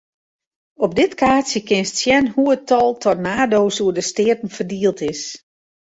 Op dit kaartsje kinst sjen hoe't it tal tornado's oer de steaten ferdield is.